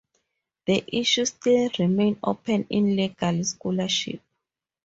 The issue still remains open in legal scholarship.